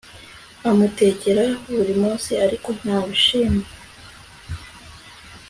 Amutekera buri munsi ariko ntabishima